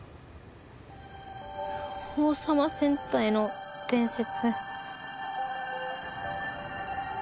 王様戦隊の伝説。